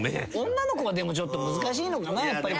女の子はでもちょっと難しいのかなやっぱり。